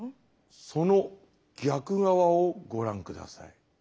その逆側をご覧下さい。